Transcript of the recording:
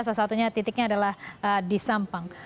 salah satunya titiknya adalah di sampang